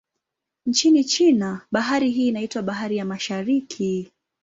Nchini China, bahari hii inaitwa Bahari ya Mashariki.